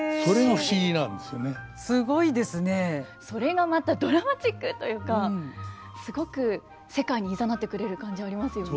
それがまたドラマチックというかすごく世界にいざなってくれる感じありますよね。